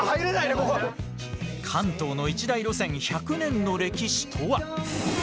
関東の一大路線１００年の歴史とは？